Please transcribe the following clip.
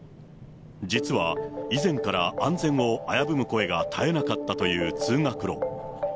実は以前から、安全を危ぶむ声が絶えなかったという通学路。